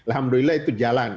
alhamdulillah itu jalan